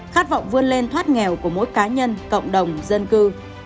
khát vọng vươn lên thoát nghèo của mỗi cá nhân cộng đồng dân cư